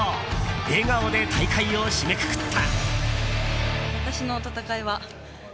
笑顔で大会を締めくくった。